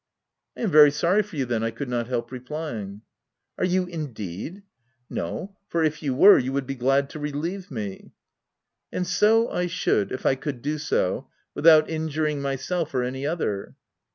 9 I am very sorry for you, then," I could not help replying, u Are you indeed 1 — No — for if you were, you would be glad to relieve me." " And so I should, if I could do so, without injuring myself or any other."